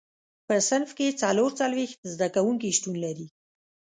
په صنف کې څلور څلوېښت زده کوونکي شتون لري.